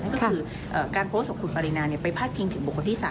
ก็คือการโพสต์ของคุณปรินาไปพาดพิงถึงบุคคลที่๓